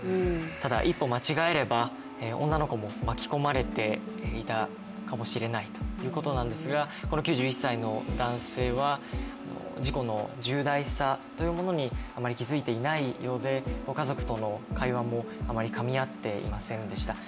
ただ、一歩間違えれば、女の子も巻き込まれていたかもしれないということなんですが、この９１歳の男性は、事故の重大さというものにあまり気付いていないようで、ご家族との会話もあまりかみ合っていませんでした。